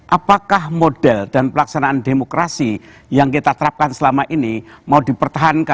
apakah model dan pelaksanaan demokrasi yang kita terapkan selama ini mau dipertahankan